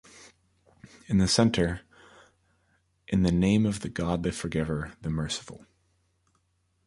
In the centre: In the name of the God the forgiver, the merciful.